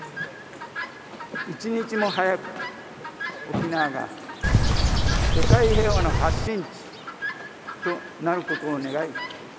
一日も早く、沖縄が世界平和の発信地となることを願い